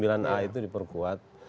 sembilan a itu diperkuat